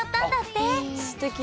すてき。